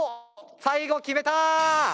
最後決めた！